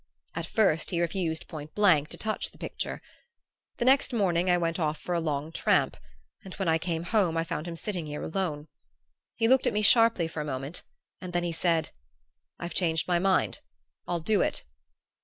At first he refused point blank to touch the picture. The next morning I went off for a long tramp, and when I came home I found him sitting here alone. He looked at me sharply for a moment and then he said: 'I've changed my mind; I'll do it.